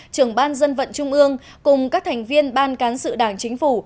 trưởng ban dân vận trung ương cùng các thành viên ban cán sự đảng chính phủ